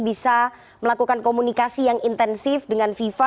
bisa melakukan komunikasi yang intensif dengan fifa